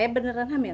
ayah beneran hamil